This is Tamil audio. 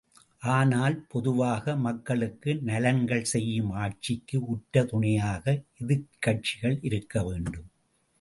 ஆனால், பொதுவாக மக்களுக்கு நலன்கள் செய்யும் ஆட்சிக்கு உற்ற துணையாக எதிர்க்கட்சிகள் இருக்க வேண்டும்.